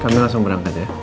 kami langsung berangkat ya